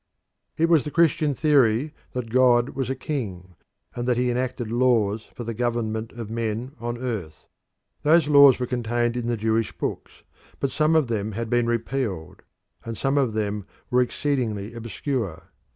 It was the Christian theory that God was a king, and that he enacted laws for the government of men on earth. Those laws were contained in the Jewish books, but some of them had been repealed and some of them were exceedingly obscure.